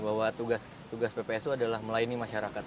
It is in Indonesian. bahwa tugas ppsu adalah melayani masyarakat